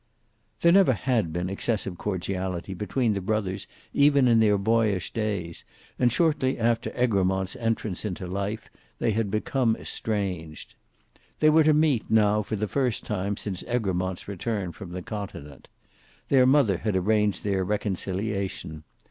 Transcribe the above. There never had been excessive cordiality between the brothers even in their boyish days, and shortly after Egremont's entrance into life, they had become estranged. They were to meet now for the first time since Egremont's return from the continent. Their mother had arranged their reconciliation.